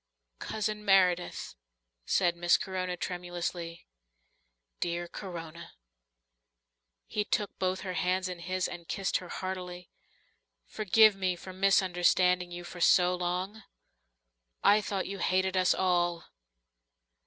"Cousin Meredith," said Miss Corona tremulously. "Dear Corona." He took both her hands in his, and kissed her heartily. "Forgive me for misunderstanding you so long. I thought you hated us all."